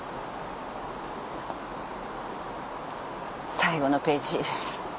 最後のページ。